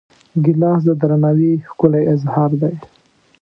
ګیلاس د درناوي ښکلی اظهار دی.